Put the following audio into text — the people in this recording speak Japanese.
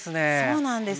そうなんです。